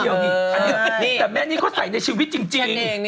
แต่แม่นี้เขาใส่ในชีวิตจริง